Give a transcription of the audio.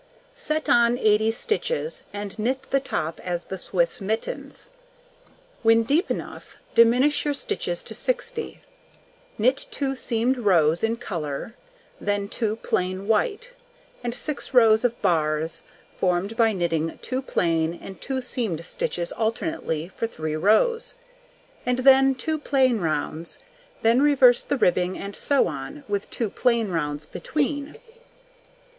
Set on 80 stitches, and knit the top as the Swiss mittens. When deep enough, diminish your stitches to 60. Knit 2 seamed rows in colour, then 2 plain white, and 6 rows of bars, formed by knitting 2 plain and 2 seamed stitches alternately for 3 rows, and then 2 plain rounds, then reverse the ribbing, and so on, with 2 plain rounds between.